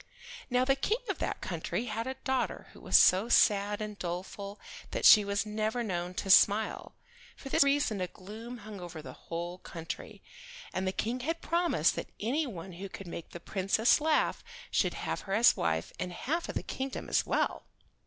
Now the King of that country had a daughter who was so sad and doleful that she was never known to smile. For this reason a gloom hung over the whole country, and the King had promised that any one who could make the Princess laugh should have her as a wife and a half of the kingdom as well.